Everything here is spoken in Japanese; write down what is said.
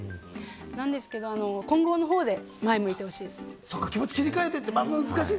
なんですけれども、混合の方で前を向いてほしいですね。